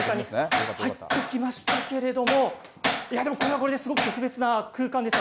入ってきましたけれどもこれ、すごく特別な空間ですよ。